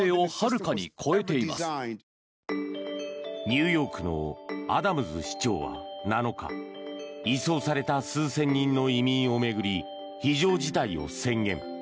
ニューヨークのアダムズ市長は７日移送された数千人の移民を巡り非常事態を宣言。